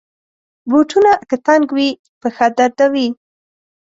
بوټونه که تنګ وي، پښه دردوي.